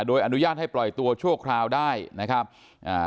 โดยอนุญาตให้ปล่อยตัวชั่วคราวได้นะครับอ่า